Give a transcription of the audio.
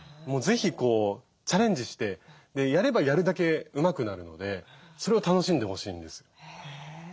是非チャレンジしてやればやるだけうまくなるのでそれを楽しんでほしいんです。